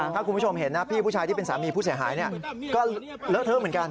ถ้าคุณผู้ชมเห็นนะพี่ผู้ชายที่เป็นสามีผู้เสียหายก็เลอะเทอะเหมือนกัน